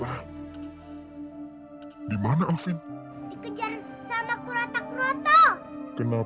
aku primangkan kamu